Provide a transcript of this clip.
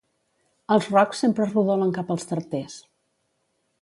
Els rocs sempre rodolen cap als tarters.